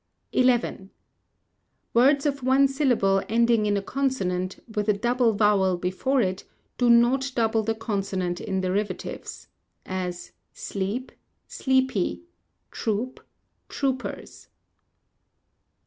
xi. Words of one syllable ending in a consonant, with a double vowel before it, do not double the consonant in derivatives: as, _sleep, sleepy; troop, troopers.